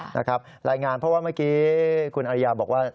รายงานเพราะว่าเมื่อกี้คุณอริยาบอกว่า